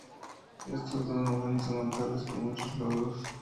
Estos O'Donovan son notables por muchos logros.